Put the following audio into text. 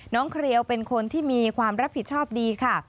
เครียวเป็นคนที่มีความรับผิดชอบดีค่ะ